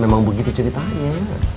memang begitu ceritanya